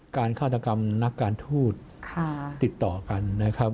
ฆาตกรรมนักการทูตติดต่อกันนะครับ